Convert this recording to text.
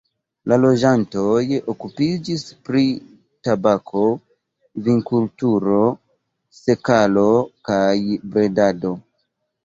La loĝantoj okupiĝis pri tabako, vinkulturo, sekalo kaj bredado.